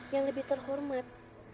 yang lebih terhormat